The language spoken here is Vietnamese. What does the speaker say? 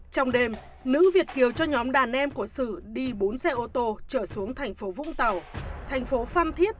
trong đêm nữ việt kiều cho nhóm đàn em của sử đi bốn xe ô tô trở xuống thành phố vũng tàu thành phố phan thiết